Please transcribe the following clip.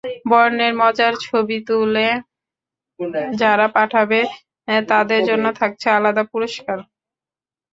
বর্ণের মজার ছবি তুলে যারা পাঠাবে, তাদের জন্য থাকছে আলাদা পুরস্কার।